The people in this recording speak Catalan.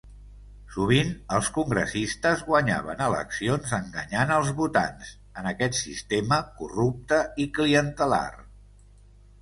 Sovint, els congressistes guanyaven eleccions enganyant els votants, en aquest sistema corrupte i clientelar.